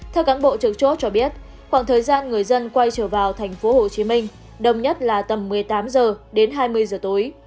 theo cán bộ trực chốt cho biết khoảng thời gian người dân quay trở vào tp hcm đồng nhất là tầm một mươi tám h đến hai mươi giờ tối